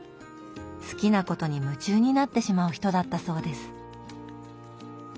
好きなことに夢中になってしまう人だったそうです。